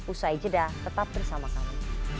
usai jeda tetap bersama kami